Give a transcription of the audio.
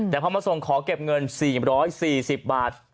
แต่พอมาส่งขอเก็บเงิน๔๔๐บาท